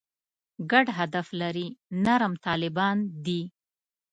ګډ هدف لري «نرم طالبان» دي.